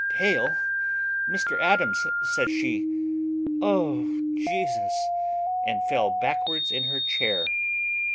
"Pale! Mr Adams," says she; "O Jesus!" and fell backwards in her chair.